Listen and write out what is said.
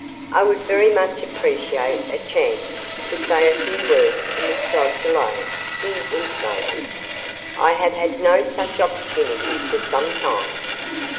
"I would very much appreciate a chance to say a few words to Miss Dodge alone," he intimated. "I have had no such opportunity for some time.